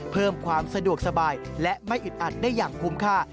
เพิ่มความสะดวกสบายและไม่อึดอัดได้อย่างคุ้มค่า